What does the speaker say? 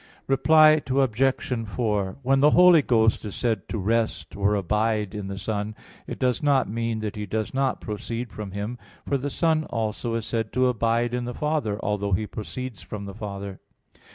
Reply Obj. 4: When the Holy Ghost is said to rest or abide in the Son, it does not mean that He does not proceed from Him; for the Son also is said to abide in the Father, although He proceeds from the Father.